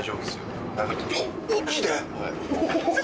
はい。